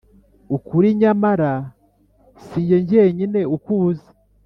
ukuri nyamara si jye jyenyine ukuzi